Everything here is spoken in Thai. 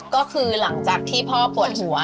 ก็คือหลังจากที่พ่อปวดหัว